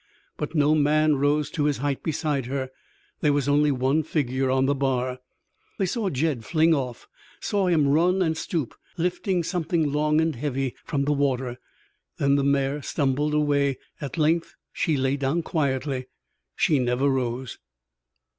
But no man rose to his height beside her. There was only one figure on the bar. They saw Jed fling off; saw him run and stoop, lifting something long and heavy from the water. Then the mare stumbled away. At length she lay down quietly. She never rose.